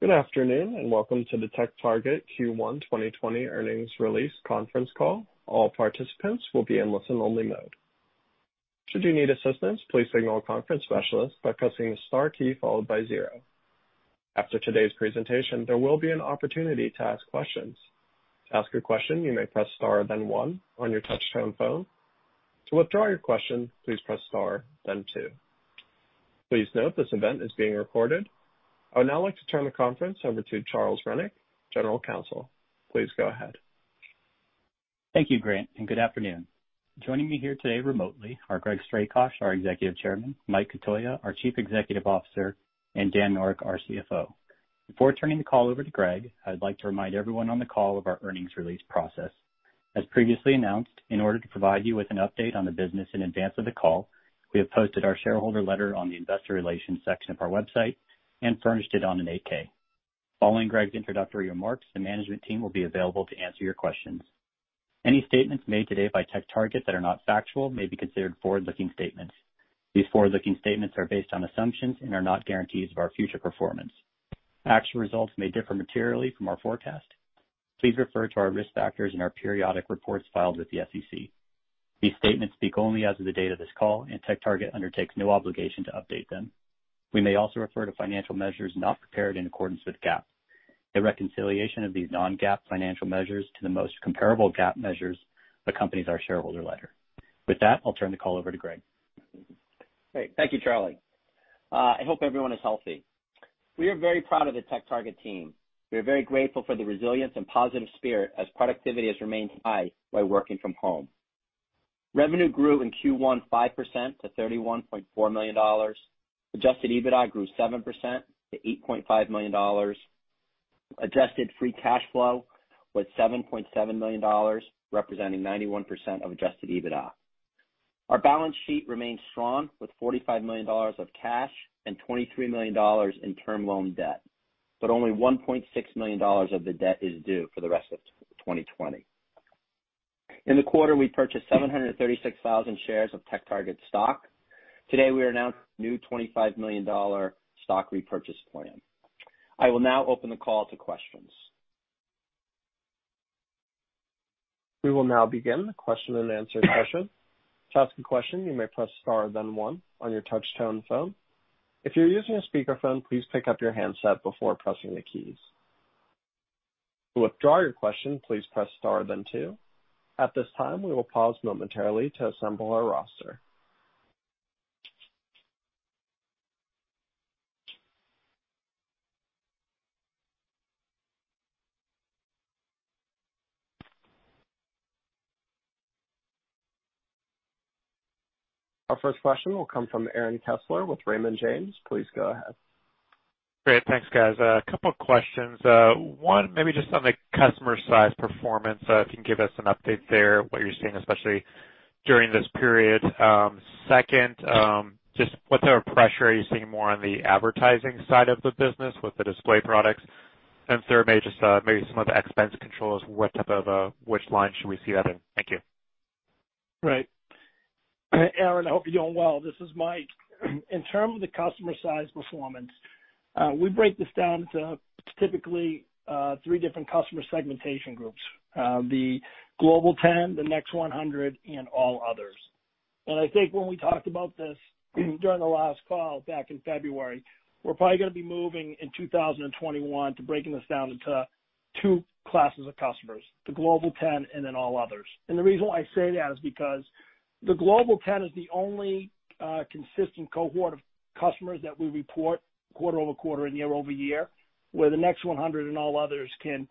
Good afternoon and welcome to the TechTarget Q1 2020 Earnings Release Conference Call. All participants will be in listen-only mode. Should you need assistance, please signal a conference specialist by pressing the star key followed by 0. After today's presentation, there will be an opportunity to ask questions. To ask a question, you may press star then 1 on your touch-tone phone. To withdraw your question, please press star then 2. Please note this event is being recorded. I would now like to turn the conference over to Charles Rennick, General Counsel. Please go ahead. Thank you, Grant, and good afternoon. Joining me here today remotely are Greg Strakosch, our Executive Chairman, Mike Cotoia, our Chief Executive Officer, and Dan Noreck, our CFO. Before turning the call over to Greg, I'd like to remind everyone on the call of our earnings release process. As previously announced, in order to provide you with an update on the business in advance of the call, we have posted our shareholder letter on the investor relations section of our website and furnished it on an 8-K. Following Greg's introductory remarks, the management team will be available to answer your questions. Any statements made today by TechTarget that are not factual may be considered forward-looking statements. These forward-looking statements are based on assumptions and are not guarantees of our future performance. Actual results may differ materially from our forecast. Please refer to our risk factors in our periodic reports filed with the SEC. These statements speak only as of the date of this call, and TechTarget undertakes no obligation to update them. We may also refer to financial measures not prepared in accordance with GAAP. The reconciliation of these non-GAAP financial measures to the most comparable GAAP measures accompanies our shareholder letter. With that, I'll turn the call over to Greg. Great. Thank you, Charlie. I hope everyone is healthy. We are very proud of the TechTarget team. We are very grateful for the resilience and positive spirit as productivity has remained high by working from home. Revenue grew in Q1 5% to $31.4 million. Adjusted EBITDA grew 7% to $8.5 million. Adjusted Free Cash Flow was $7.7 million, representing 91% of adjusted EBITDA. Our balance sheet remains strong with $45 million of cash and $23 million in term loan debt, but only $1.6 million of the debt is due for the rest of 2020. In the quarter, we purchased 736,000 shares of TechTarget stock. Today, we announced a new $25 million stock repurchase plan. I will now open the call to questions. We will now begin the question and answer session. To ask a question, you may press star then one on your touch-tone phone. If you're using a speakerphone, please pick up your handset before pressing the keys. To withdraw your question, please press star then two. At this time, we will pause momentarily to assemble our roster. Our first question will come from Aaron Kessler with Raymond James. Please go ahead. Great. Thanks, guys. A couple of questions. One, maybe just on the customer-side performance. If you can give us an update there, what you're seeing, especially during this period? Second, just what type of pressure are you seeing more on the advertising side of the business with the display products? And third, maybe just some of the expense controls. Which line should we see that in? Thank you. Right. Aaron, I hope you're doing well. This is Mike. In terms of the customer-side performance, we break this down into typically three different customer segmentation groups: the Global 10, the Next 100, and all others. And I think when we talked about this during the last call back in February, we're probably going to be moving in 2021 to breaking this down into two classes of customers: the Global 10 and then all others. And the reason why I say that is because the Global 10 is the only consistent cohort of customers that we report quarter-over-quarter and year-over-year, where the Next 100 and all others can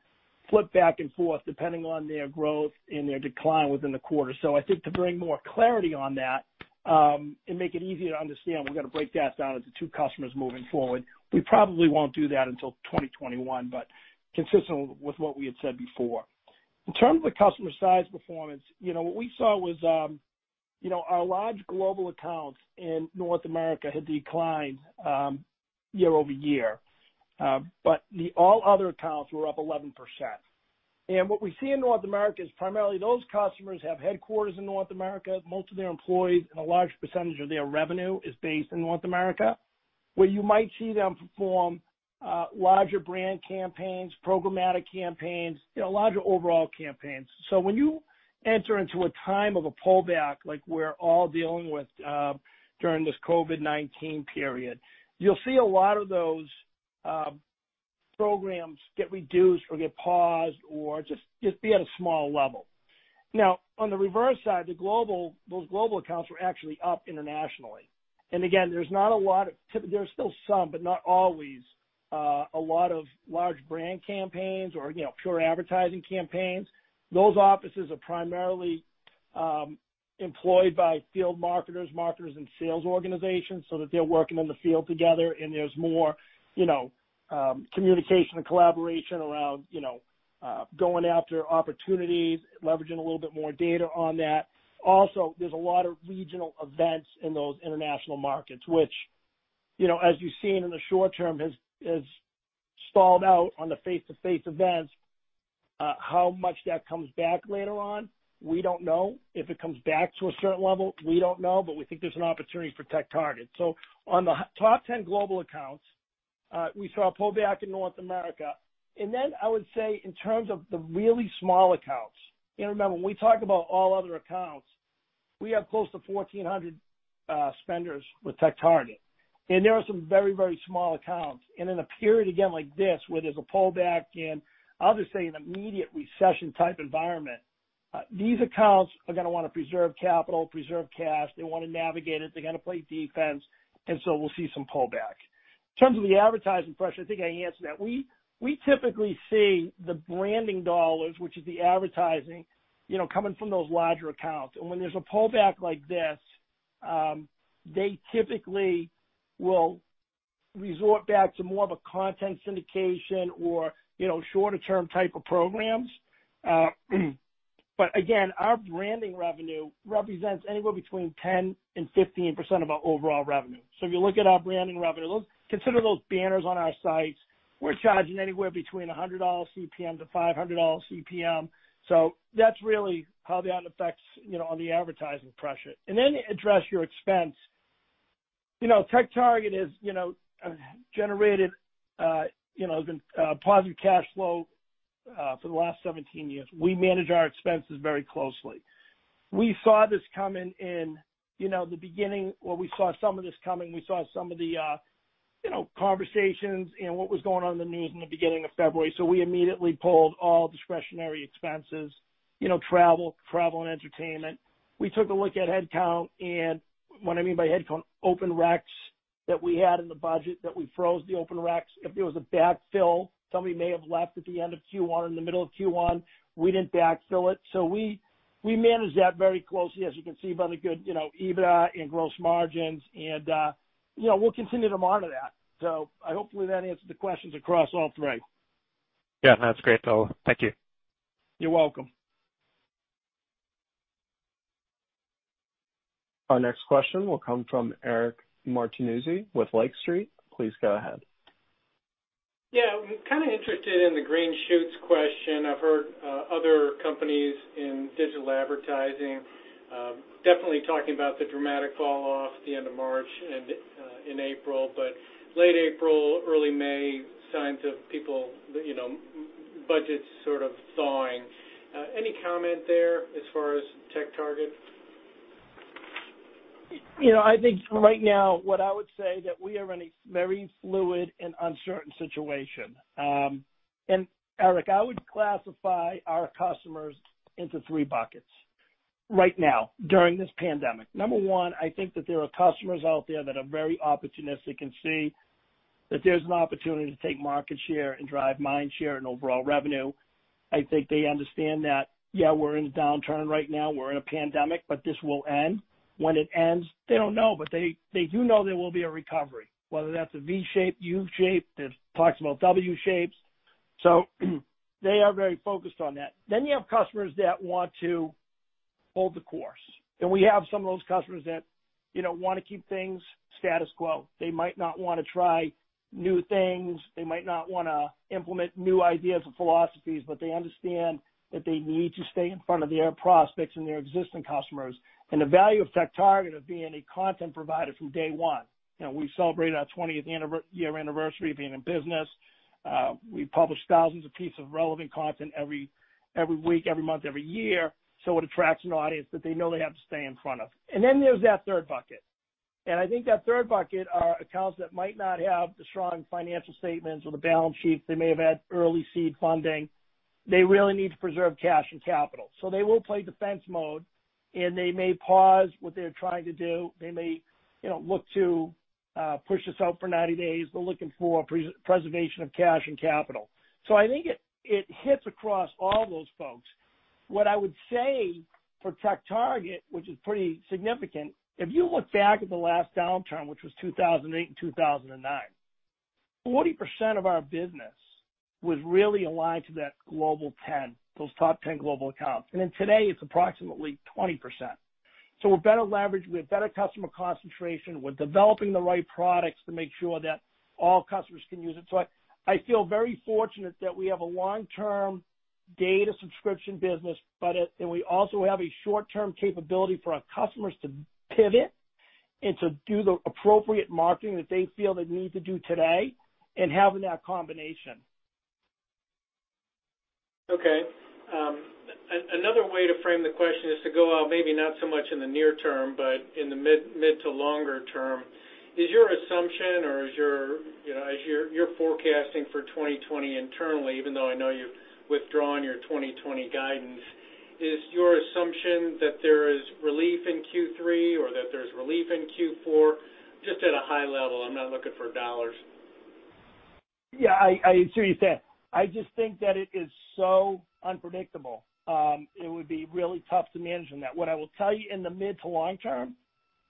flip back and forth depending on their growth and their decline within the quarter. So I think to bring more clarity on that and make it easier to understand, we're going to break that down into two customers moving forward. We probably won't do that until 2021, but consistent with what we had said before. In terms of the customer-side performance, what we saw was our large global accounts in North America had declined year-over-year, but all other accounts were up 11%. And what we see in North America is primarily those customers have headquarters in North America. Most of their employees and a large percentage of their revenue is based in North America, where you might see them perform larger brand campaigns, programmatic campaigns, larger overall campaigns. So when you enter into a time of a pullback like we're all dealing with during this COVID-19 period, you'll see a lot of those programs get reduced or get paused or just be at a small level. Now, on the reverse side, those global accounts are actually up internationally. And again, there's not a lot of, there's still some, but not always a lot of large brand campaigns or pure advertising campaigns. Those offices are primarily employed by field marketers, marketers, and sales organizations so that they're working in the field together, and there's more communication and collaboration around going after opportunities, leveraging a little bit more data on that. Also, there's a lot of regional events in those international markets, which, as you've seen in the short term, has stalled out on the face-to-face events. How much that comes back later on, we don't know. If it comes back to a certain level, we don't know, but we think there's an opportunity for TechTarget, so on the top 10 global accounts, we saw a pullback in North America, and then I would say in terms of the really small accounts, remember, when we talk about all other accounts, we have close to 1,400 spenders with TechTarget, and there are some very, very small accounts, and in a period again like this where there's a pullback in, I'll just say, an immediate recession-type environment, these accounts are going to want to preserve capital, preserve cash. They want to navigate it. They're going to play defense, and so we'll see some pullback. In terms of the advertising pressure, I think I answered that. We typically see the branding dollars, which is the advertising, coming from those larger accounts. And when there's a pullback like this, they typically will resort back to more of a content syndication or shorter-term type of programs. But again, our branding revenue represents anywhere between 10%-15% of our overall revenue. So if you look at our branding revenue, consider those banners on our sites. We're charging anywhere between $100-$500 CPM. So that's really how that affects the advertising pressure. And then address your expense. TechTarget has generated positive cash flow for the last 17 years. We manage our expenses very closely. We saw this coming in the beginning where we saw some of this coming. We saw some of the conversations and what was going on in the news in the beginning of February. So we immediately pulled all discretionary expenses: travel, travel, and entertainment. We took a look at headcount. And what I mean by headcount, open reqs that we had in the budget, that we froze the open reqs. If there was a backfill, somebody may have left at the end of Q1 or in the middle of Q1. We didn't backfill it. So we manage that very closely, as you can see, by the good EBITDA and gross margins. And we'll continue to monitor that. So hopefully, that answered the questions across all three. Yeah. That's great, Bill. Thank you. You're welcome. Our next question will come from Eric Martinuzzi with Lake Street. Please go ahead. Yeah. I'm kind of interested in the green shoots question. I've heard other companies in digital advertising definitely talking about the dramatic falloff at the end of March and in April, but late April, early May, signs of people, budgets sort of thawing. Any comment there as far as TechTarget? I think right now, what I would say is that we are in a very fluid and uncertain situation, and Eric, I would classify our customers into three buckets right now during this pandemic. Number one, I think that there are customers out there that are very opportunistic and see that there's an opportunity to take market share and drive mind share and overall revenue. I think they understand that, yeah, we're in a downturn right now. We're in a pandemic, but this will end. When it ends, they don't know, but they do know there will be a recovery, whether that's a V-shape, U-shape, they've talked about W-shapes, so they are very focused on that, then you have customers that want to hold the course, and we have some of those customers that want to keep things status quo. They might not want to try new things. They might not want to implement new ideas or philosophies, but they understand that they need to stay in front of their prospects and their existing customers, and the value of TechTarget of being a content provider from day one. We celebrated our 20th-year anniversary of being in business. We published thousands of pieces of relevant content every week, every month, every year, so it attracts an audience that they know they have to stay in front of, and then there's that third bucket. And I think that third bucket are accounts that might not have the strong financial statements or the balance sheets. They may have had early seed funding. They really need to preserve cash and capital. So they will play defense mode, and they may pause what they're trying to do. They may look to push this out for 90 days. They're looking for preservation of cash and capital. So I think it hits across all those folks. What I would say for TechTarget, which is pretty significant, if you look back at the last downturn, which was 2008 and 2009, 40% of our business was really aligned to that Global 10, those top 10 global accounts. And then today, it's approximately 20%. So we're better leveraged. We have better customer concentration. We're developing the right products to make sure that all customers can use it. So I feel very fortunate that we have a long-term data subscription business, and we also have a short-term capability for our customers to pivot and to do the appropriate marketing that they feel they need to do today and having that combination. Okay. Another way to frame the question is to go out maybe not so much in the near term, but in the mid to longer term. Is your assumption or is your forecasting for 2020 internally, even though I know you've withdrawn your 2020 guidance, is your assumption that there is relief in Q3 or that there's relief in Q4? Just at a high level. I'm not looking for dollars. Yeah. I see what you said. I just think that it is so unpredictable. It would be really tough to manage on that. What I will tell you in the mid to long term is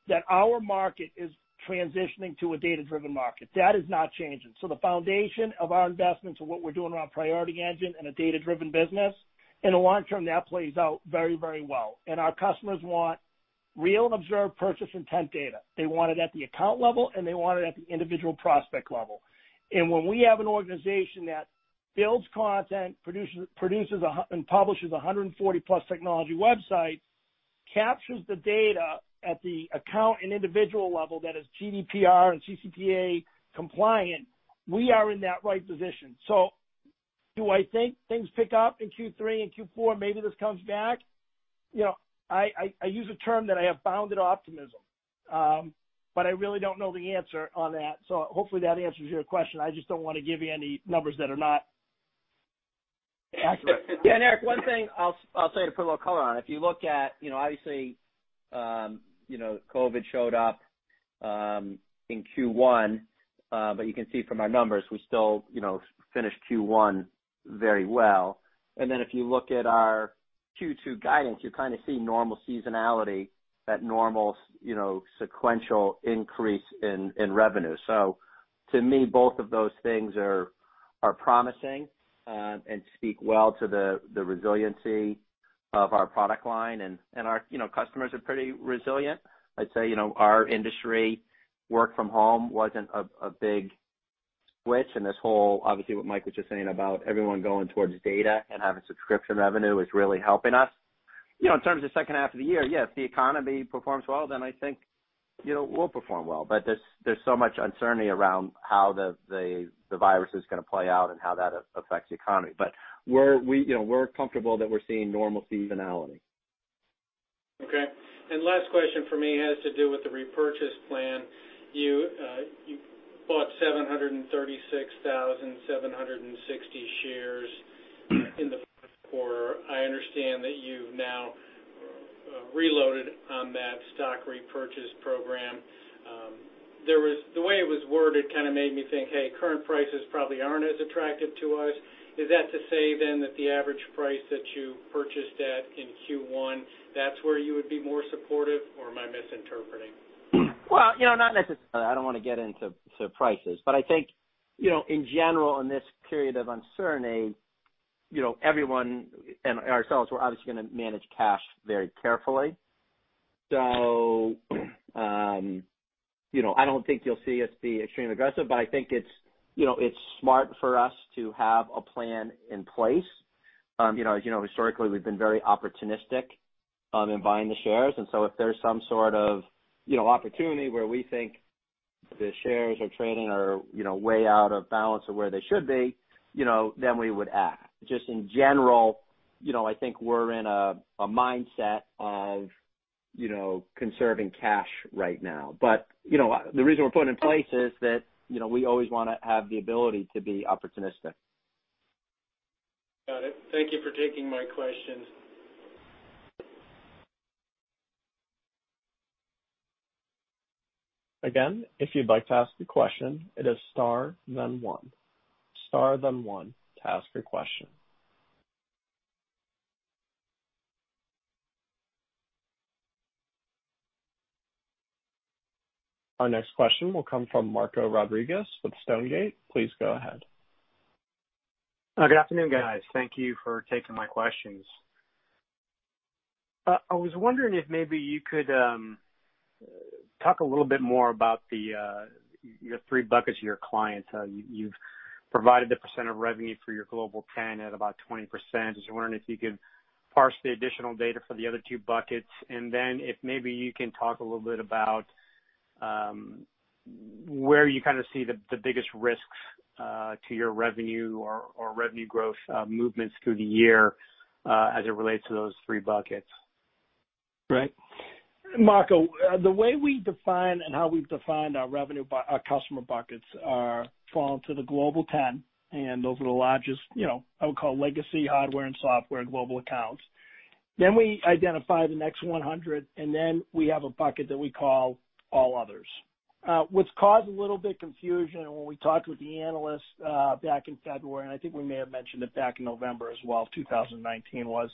that our market is transitioning to a data-driven market. That is not changing. So the foundation of our investments and what we're doing around Priority Engine and a data-driven business, in the long term, that plays out very, very well. And our customers want real and observed purchase intent data. They want it at the account level, and they want it at the individual prospect level. And when we have an organization that builds content, produces, and publishes 140-plus technology websites, captures the data at the account and individual level that is GDPR and CCPA compliant, we are in that right position. So do I think things pick up in Q3 and Q4? Maybe this comes back. I use a term that I have bounded optimism, but I really don't know the answer on that. So hopefully, that answers your question. I just don't want to give you any numbers that are not accurate. Yeah. And, Eric, one thing I'll say to put a little color on. If you look at, obviously, COVID showed up in Q1, but you can see from our numbers, we still finished Q1 very well. And then if you look at our Q2 guidance, you kind of see normal seasonality, that normal sequential increase in revenue. So to me, both of those things are promising and speak well to the resiliency of our product line. And our customers are pretty resilient. I'd say our industry, work from home wasn't a big switch. And this whole, obviously, what Mike was just saying about everyone going towards data and having subscription revenue is really helping us. In terms of the second half of the year, yes, the economy performs well. Then I think we'll perform well. But there's so much uncertainty around how the virus is going to play out and how that affects the economy. But we're comfortable that we're seeing normal seasonality. Okay. And last question for me has to do with the repurchase plan. You bought 736,760 shares in the first quarter. I understand that you've now reloaded on that stock repurchase program. The way it was worded kind of made me think, "Hey, current prices probably aren't as attractive to us." Is that to say then that the average price that you purchased at in Q1, that's where you would be more supportive, or am I misinterpreting? Well, not necessarily. I don't want to get into prices. But I think, in general, in this period of uncertainty, everyone and ourselves were obviously going to manage cash very carefully. So I don't think you'll see us be extremely aggressive, but I think it's smart for us to have a plan in place. As you know, historically, we've been very opportunistic in buying the shares. And so if there's some sort of opportunity where we think the shares are trading or way out of balance or where they should be, then we would act. Just in general, I think we're in a mindset of conserving cash right now. But the reason we're putting in place is that we always want to have the ability to be opportunistic. Got it. Thank you for taking my questions. Again, if you'd like to ask a question, it is star, then one. Star, then one, to ask a question. Our next question will come from Marco Rodriguez with Stonegate. Please go ahead. Good afternoon, guys. Thank you for taking my questions. I was wondering if maybe you could talk a little bit more about your three buckets of your clients. You've provided the percent of revenue for your Global 10 at about 20%. I was wondering if you could parse the additional data for the other two buckets, and then if maybe you can talk a little bit about where you kind of see the biggest risks to your revenue or revenue growth movements through the year as it relates to those three buckets. Right. Marco, the way we define and how we've defined our customer buckets fall into the Global 10, and those are the largest, I would call, legacy hardware and software global accounts, then we identify the Next 100, and then we have a bucket that we call all others. What's caused a little bit of confusion when we talked with the analysts back in February, and I think we may have mentioned it back in November as well, 2019, was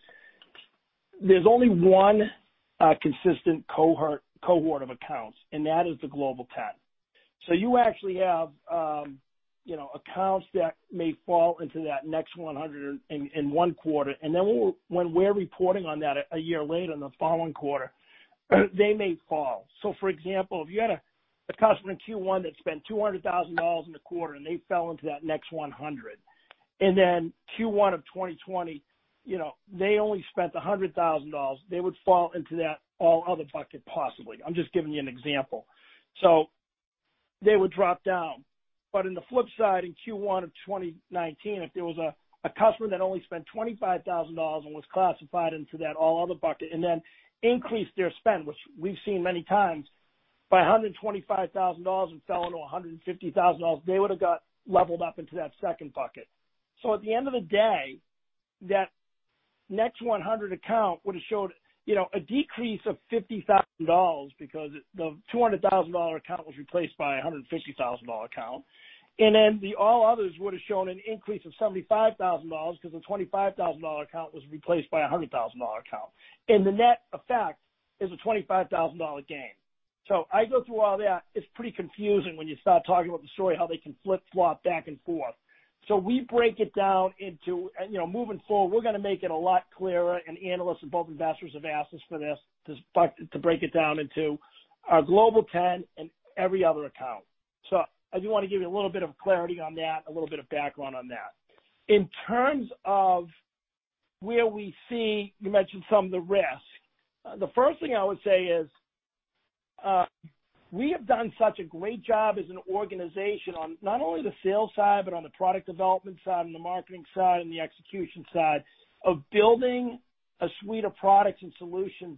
there's only one consistent cohort of accounts, and that is the Global 10, so you actually have accounts that may fall into that Next 100 in one quarter, and then when we're reporting on that a year later in the following quarter, they may fall. For example, if you had a customer in Q1 that spent $200,000 in the quarter and they fell into that Next 100, and then Q1 of 2020, they only spent $100,000, they would fall into that all other bucket possibly. I'm just giving you an example. So they would drop down. But on the flip side, in Q1 of 2019, if there was a customer that only spent $25,000 and was classified into that all other bucket and then increased their spend, which we've seen many times, by $125,000 and fell into $150,000, they would have got leveled up into that second bucket. So at the end of the day, that Next 100 account would have showed a decrease of $50,000 because the $200,000 account was replaced by a $150,000 account. And then the all others would have shown an increase of $75,000 because the $25,000 account was replaced by a $100,000 account. And the net effect is a $25,000 gain. So I go through all that. It's pretty confusing when you start talking about the story, how they can flip-flop back and forth. So we break it down into moving forward, we're going to make it a lot clearer, and analysts and both investors have asked us for this to break it down into our Global 10 and every other account. So I do want to give you a little bit of clarity on that, a little bit of background on that. In terms of where we see, you mentioned some of the risk. The first thing I would say is we have done such a great job as an organization on not only the sales side, but on the product development side and the marketing side and the execution side of building a suite of products and solutions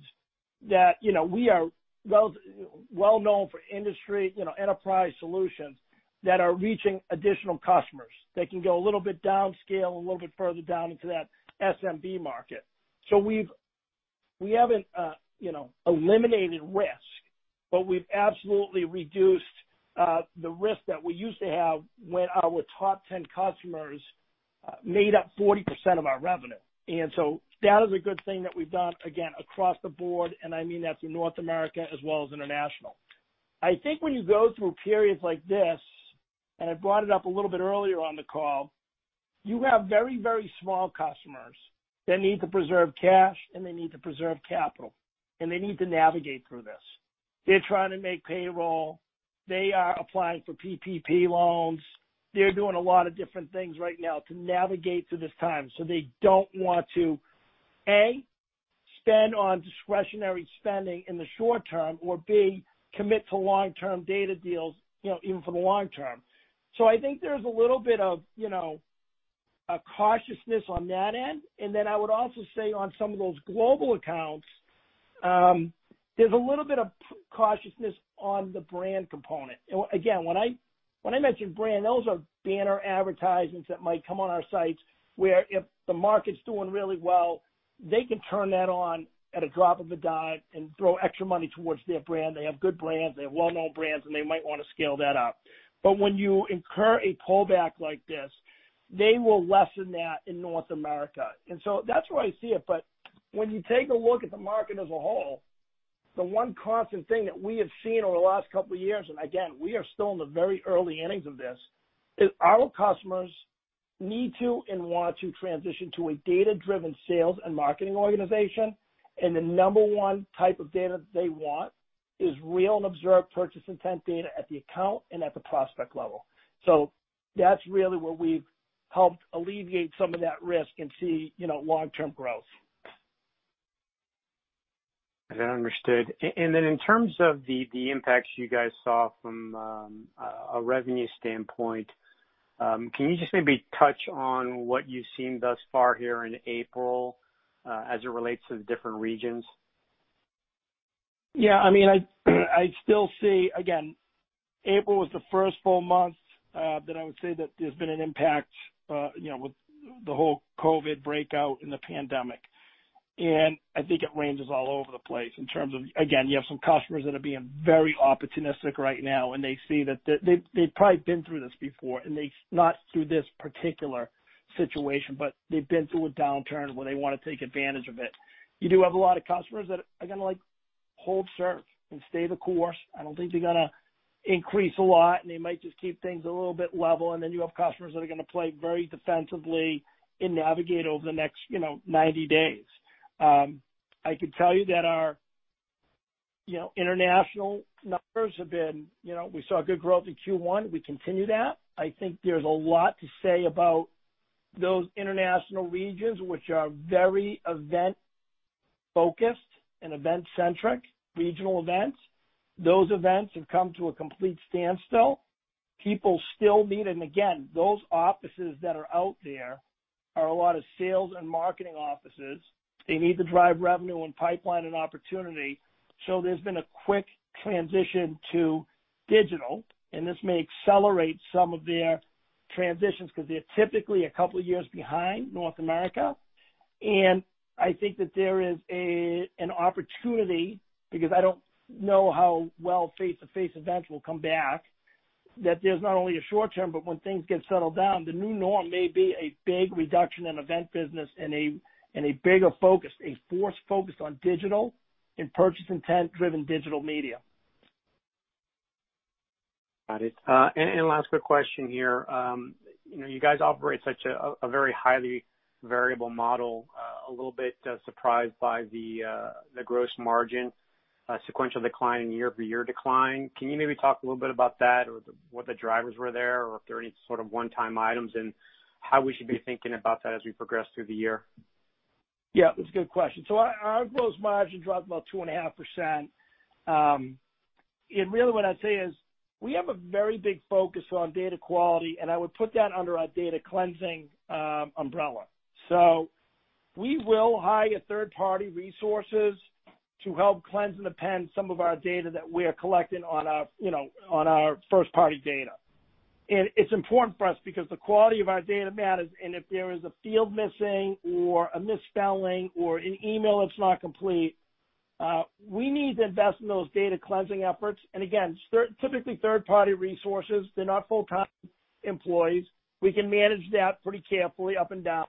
that we are well-known for industry, enterprise solutions that are reaching additional customers that can go a little bit downscale, a little bit further down into that SMB market. So we haven't eliminated risk, but we've absolutely reduced the risk that we used to have when our top 10 customers made up 40% of our revenue. And so that is a good thing that we've done, again, across the board. And I mean that through North America as well as international. I think when you go through periods like this, and I brought it up a little bit earlier on the call, you have very, very small customers that need to preserve cash, and they need to preserve capital, and they need to navigate through this. They're trying to make payroll. They are applying for PPP loans. They're doing a lot of different things right now to navigate through this time. So they don't want to, A, spend on discretionary spending in the short term, or B, commit to long-term data deals even for the long term. So I think there's a little bit of cautiousness on that end. And then I would also say on some of those global accounts, there's a little bit of cautiousness on the brand component. Again, when I mention brand, those are banner advertisements that might come on our sites where if the market's doing really well, they can turn that on at a drop of a dime and throw extra money towards their brand. They have good brands. They have well-known brands, and they might want to scale that up. But when you incur a pullback like this, they will lessen that in North America. And so that's where I see it. But when you take a look at the market as a whole, the one constant thing that we have seen over the last couple of years, and again, we are still in the very early innings of this, is our customers need to and want to transition to a data-driven sales and marketing organization. The number one type of data that they want is real and observed purchase intent data at the account and at the prospect level. That's really where we've helped alleviate some of that risk and see long-term growth. That's understood. And then in terms of the impacts you guys saw from a revenue standpoint, can you just maybe touch on what you've seen thus far here in April as it relates to the different regions? Yeah. I mean, I still see, again, April was the first full month that I would say that there's been an impact with the whole COVID outbreak and the pandemic. And I think it ranges all over the place in terms of, again, you have some customers that are being very opportunistic right now, and they see that they've probably been through this before. And not through this particular situation, but they've been through a downturn where they want to take advantage of it. You do have a lot of customers that are going to hold serve and stay the course. I don't think they're going to increase a lot, and they might just keep things a little bit level. And then you have customers that are going to play very defensively and navigate over the next 90 days. I could tell you that our international numbers have been. We saw good growth in Q1. We continue that. I think there's a lot to say about those international regions, which are very event-focused and event-centric, regional events. Those events have come to a complete standstill. People still need it, and again, those offices that are out there are a lot of sales and marketing offices. They need to drive revenue and pipeline and opportunity. So there's been a quick transition to digital, and this may accelerate some of their transitions because they're typically a couple of years behind North America. I think that there is an opportunity because I don't know how well face-to-face events will come back, that there's not only a short term, but when things get settled down, the new norm may be a big reduction in event business and a bigger focus, a force focused on digital and purchase intent-driven digital media. Got it. And last quick question here. You guys operate such a very highly variable model, a little bit surprised by the gross margin, sequential decline, and year-over-year decline. Can you maybe talk a little bit about that or what the drivers were there or if there are any sort of one-time items and how we should be thinking about that as we progress through the year? Yeah. That's a good question, so our gross margin dropped about 2.5%. Really what I'd say is we have a very big focus on data quality, and I would put that under our data cleansing umbrella, so we will hire third-party resources to help cleanse and append some of our data that we are collecting on our first-party data. It's important for us because the quality of our data matters. If there is a field missing or a misspelling or an email that's not complete, we need to invest in those data cleansing efforts. Again, typically third-party resources, they're not full-time employees. We can manage that pretty carefully up and down,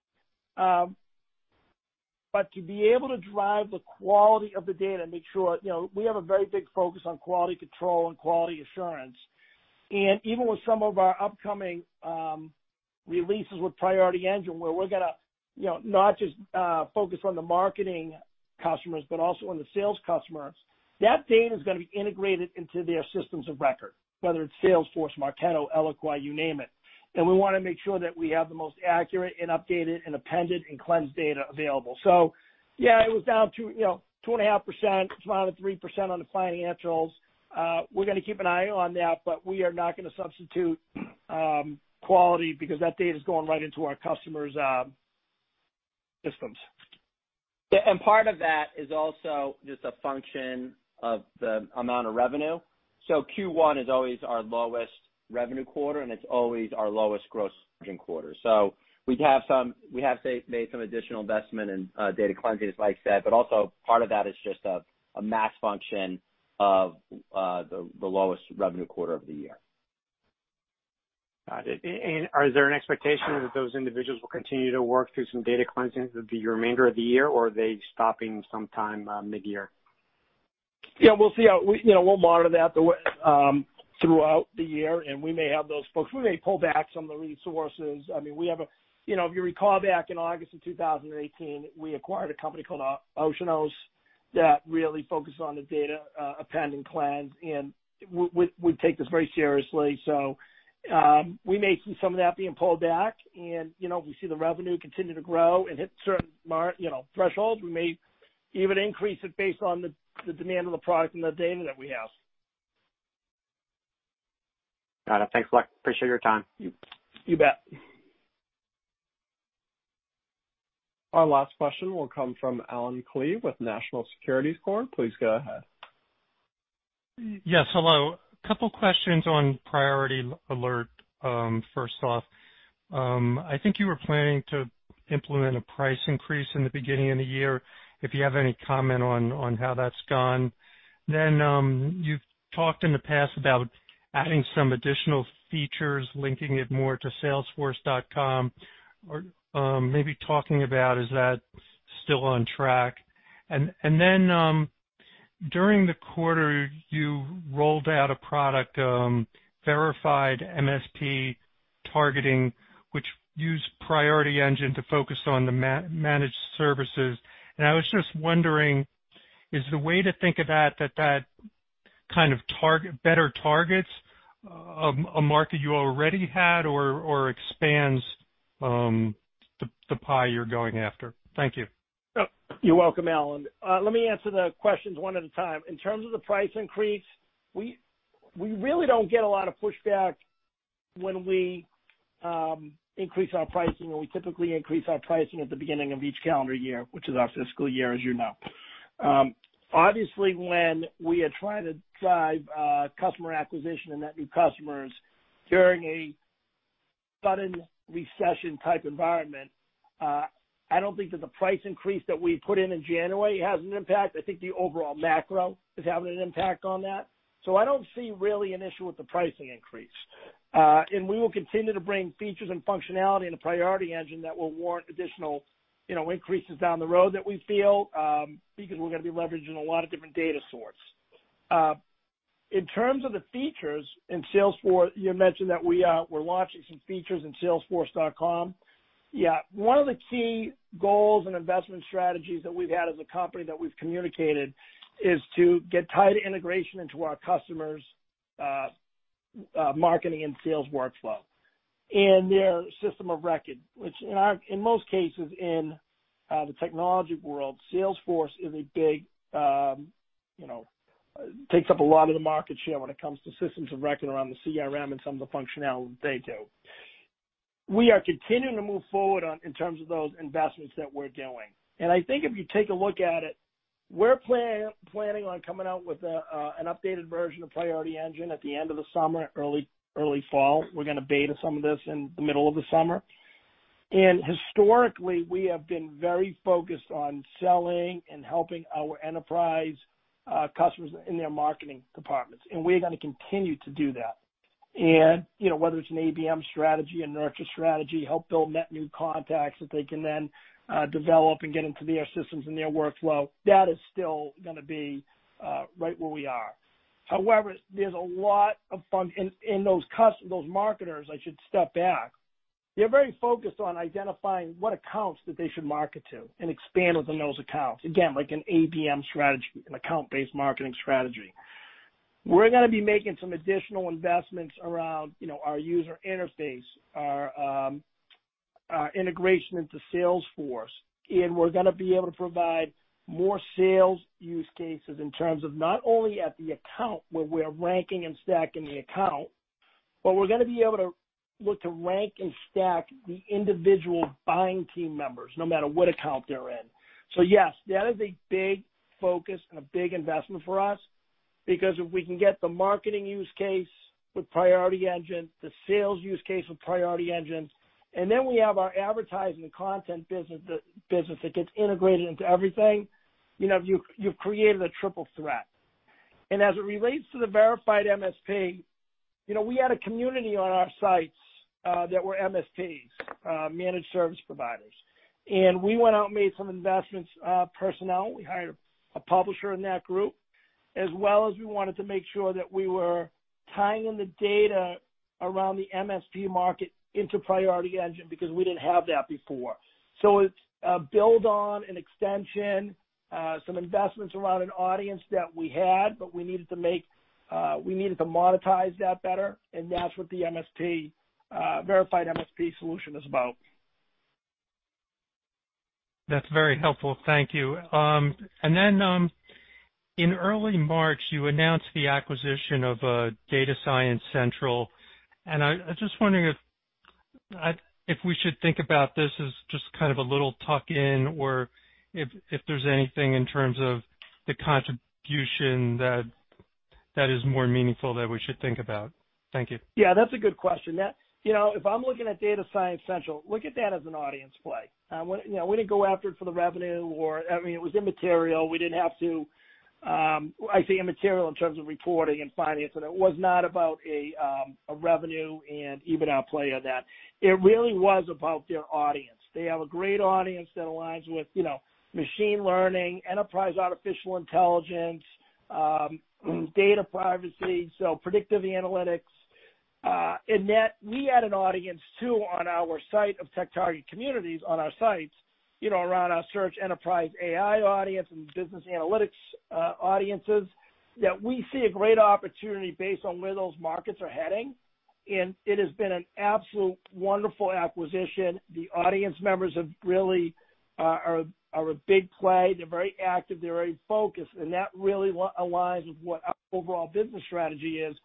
but to be able to drive the quality of the data and make sure we have a very big focus on quality control and quality assurance. And even with some of our upcoming releases with Priority Engine, where we're going to not just focus on the marketing customers, but also on the sales customers, that data is going to be integrated into their systems of record, whether it's Salesforce, Marketo, Eloqua, you name it. And we want to make sure that we have the most accurate and updated and appended and cleansed data available. So yeah, it was down to 2.5%, it's down to 3% on the financials. We're going to keep an eye on that, but we are not going to substitute quality because that data is going right into our customers' systems. And part of that is also just a function of the amount of revenue. So Q1 is always our lowest revenue quarter, and it's always our lowest gross margin quarter. So we have made some additional investment in data cleansing, as Mike said, but also part of that is just a math function of the lowest revenue quarter of the year. Got it. And is there an expectation that those individuals will continue to work through some data cleansing through the remainder of the year, or are they stopping sometime mid-year? Yeah. We'll see. We'll monitor that throughout the year, and we may have those folks. We may pull back some of the resources. I mean, we have, if you recall, back in August of 2018, we acquired a company called Oceanos that really focused on the data append and cleanse, and we take this very seriously. So we may see some of that being pulled back. And if we see the revenue continue to grow and hit certain thresholds, we may even increase it based on the demand of the product and the data that we have. Got it. Thanks, luck. Appreciate your time. You bet. Our last question will come from Allen Klee with National Securities Corporation. Please go ahead. Yes. Hello. A couple of questions on Priority Engine, first off. I think you were planning to implement a price increase in the beginning of the year. If you have any comment on how that's gone? Then you've talked in the past about adding some additional features, linking it more to Salesforce.com. Maybe talking about, is that still on track? And then during the quarter, you rolled out a product, Verified MSP Targeting, which used Priority Engine to focus on the managed services. And I was just wondering, is the way to think of that, that that kind of better targets a market you already had or expands the pie you're going after? Thank you. You're welcome, Allen. Let me answer the questions one at a time. In terms of the price increase, we really don't get a lot of pushback when we increase our pricing, and we typically increase our pricing at the beginning of each calendar year, which is our fiscal year, as you know. Obviously, when we are trying to drive customer acquisition and net new customers during a sudden recession-type environment, I don't think that the price increase that we put in in January has an impact. I think the overall macro is having an impact on that. So I don't see really an issue with the pricing increase, and we will continue to bring features and functionality into Priority Engine that will warrant additional increases down the road that we feel because we're going to be leveraging a lot of different data sources. In terms of the features in Salesforce, you mentioned that we're launching some features in Salesforce.com. Yeah. One of the key goals and investment strategies that we've had as a company that we've communicated is to get tight integration into our customers' marketing and sales workflow and their system of record, which in most cases in the technology world, Salesforce is a big takes up a lot of the market share when it comes to systems of record around the CRM and some of the functionality that they do. We are continuing to move forward in terms of those investments that we're doing, and I think if you take a look at it, we're planning on coming out with an updated version of Priority Engine at the end of the summer, early fall. We're going to beta some of this in the middle of the summer. Historically, we have been very focused on selling and helping our enterprise customers in their marketing departments. We are going to continue to do that. Whether it's an ABM strategy, a nurture strategy, help build net new contacts that they can then develop and get into their systems and their workflow, that is still going to be right where we are. However, there's a lot from those marketers. I should step back. They're very focused on identifying what accounts that they should market to and expand within those accounts. Again, like an ABM strategy, an account-based marketing strategy. We're going to be making some additional investments around our user interface, our integration into Salesforce. We're going to be able to provide more sales use cases in terms of not only at the account where we're ranking and stacking the account, but we're going to be able to look to rank and stack the individual buying team members no matter what account they're in. So yes, that is a big focus and a big investment for us because if we can get the marketing use case with Priority Engine, the sales use case with Priority Engine, and then we have our advertising and content business that gets integrated into everything, you've created a triple threat. As it relates to the Verified MSP, we had a community on our sites that were MSPs, managed service providers. We went out and made some investments personnel. We hired a publisher in that group, as well as we wanted to make sure that we were tying in the data around the MSP market into Priority Engine because we didn't have that before. So it's a build-on and extension, some investments around an audience that we had, but we needed to monetize that better. That's what the Verified MSP solution is about. That's very helpful. Thank you. And then in early March, you announced the acquisition of Data Science Central. And I'm just wondering if we should think about this as just kind of a little tuck-in or if there's anything in terms of the contribution that is more meaningful that we should think about? Thank you. Yeah. That's a good question. If I'm looking at Data Science Central, look at that as an audience play. We didn't go after it for the revenue or I mean, it was immaterial. We didn't have to I say immaterial in terms of reporting and finance, and it was not about a revenue and EBITDA play on that. It really was about their audience. They have a great audience that aligns with machine learning, enterprise artificial intelligence, data privacy, so predictive analytics. And we had an audience too on our site of TechTarget communities on our sites around our SearchEnterpriseAI audience and business analytics audiences that we see a great opportunity based on where those markets are heading. And it has been an absolute wonderful acquisition. The audience members really are a big play. They're very active. They're very focused. That really aligns with what our overall business strategy is.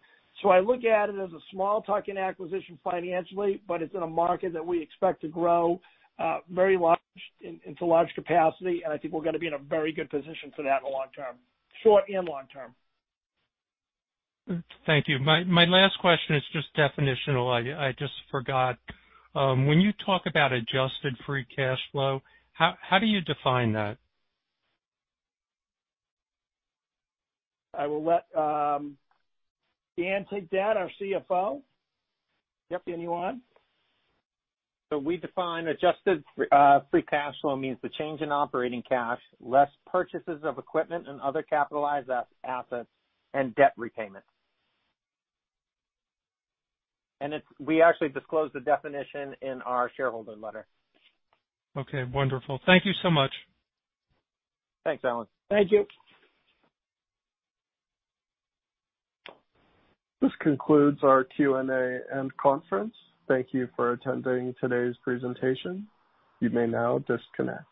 I look at it as a small-tuck-in acquisition financially, but it's in a market that we expect to grow very large into large capacity. I think we're going to be in a very good position for that in the long term, short and long term. Thank you. My last question is just definitional. I just forgot. When you talk about adjusted free cash flow, how do you define that? I will let Dan take that, our CFO. Yep. Dan you want. We define adjusted free cash flow means the change in operating cash, less purchases of equipment and other capitalized assets, and debt repayment. We actually disclose the definition in our shareholder letter. Okay. Wonderful. Thank you so much. Thanks, Allen. Thank you. This concludes our Q&A and conference. Thank you for attending today's presentation. You may now disconnect.